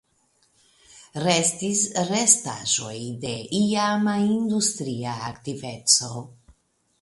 Restis restaĵoj de iama industria aktiveco.